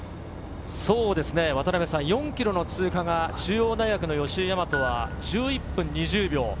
そうですね、渡辺さん、４キロの通過が、中央大学の吉居大和は１１分２０秒。